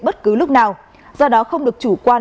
bất cứ lúc nào do đó không được chủ quan